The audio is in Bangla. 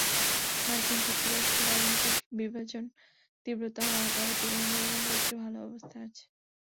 মার্কিন যুক্তরাষ্ট্রে রাজনৈতিক বিভাজন তীব্রতর হওয়ায় তারা তুলনামূলকভাবে একটু ভালো অবস্থায় আছে।